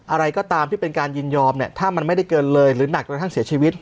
อะไรก็ตามที่เป็นการยินยอมเนี่ยถ้ามันไม่ได้เกินเลยหรือหนักกระทั่งเสียชีวิต